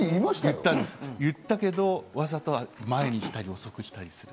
言ったんですけど、わざと前にしたり遅くしたりする。